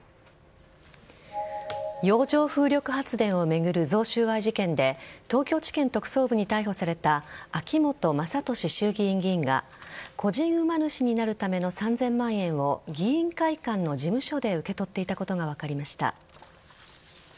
洋上風力発電を巡る贈収賄事件で東京地検特捜部に逮捕された秋本真利衆議院議員が個人馬主になるための３０００万円を議員会館の事務所で受け取っていたことが分かりました。